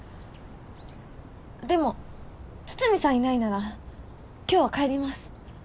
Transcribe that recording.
でも筒見さんいないなら今日は帰ります。